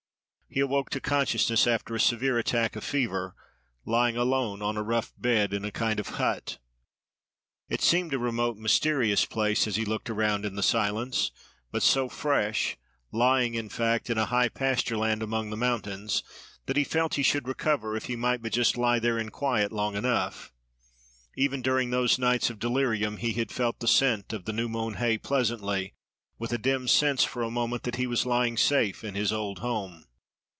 He awoke to consciousness after a severe attack of fever, lying alone on a rough bed, in a kind of hut. It seemed a remote, mysterious place, as he looked around in the silence; but so fresh—lying, in fact, in a high pasture land among the mountains—that he felt he should recover, if he might but just lie there in quiet long enough. Even during those nights of delirium he had felt the scent of the new mown hay pleasantly, with a dim sense for a moment that he was lying safe in his old home.